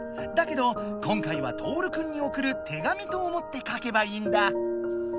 だけど今回はとおるくんにおくる「手紙」と思ってかけばいいんだ！